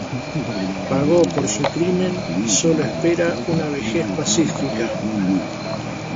Pagó por su crimen y solo espera una vejez pacífica.